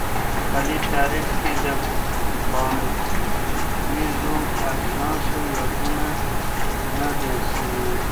په دې تعریف کي د پانګیزو اجناسو یادونه نه ده سوي.